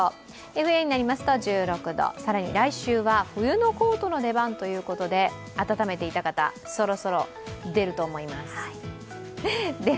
夜になりますと１６度更に来週は冬のコートの出番ということで温めていた方、そろそろ出ると思います。